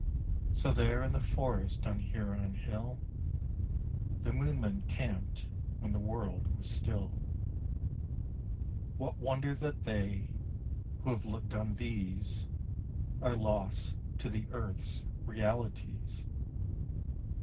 So there in the forest on HURON HILL The MOONMEN camped when the world was still.... What wonder that they who have looked on these Are lost to the earth's realities!